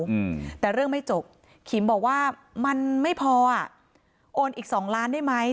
อืมแต่เรื่องไม่จบขิมบอกว่ามันไม่พออ่ะโอนอีกสองล้านได้ไหม